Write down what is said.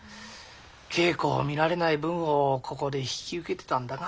稽古を見られない分をここで引き受けてたんだが。